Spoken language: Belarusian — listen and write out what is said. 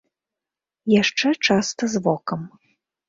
Яшчэ часта з вокам.